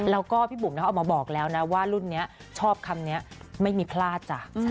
แล้วก็พี่บุ๋มเขาออกมาบอกแล้วนะว่ารุ่นนี้ชอบคำนี้ไม่มีพลาดจ้ะ